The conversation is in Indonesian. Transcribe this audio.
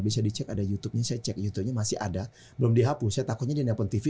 berbagai grup pendukung pendukung yang masih nyebar nyebar video itu